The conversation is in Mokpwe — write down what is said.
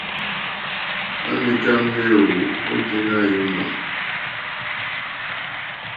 À mìká méèwó óténá yǒmà.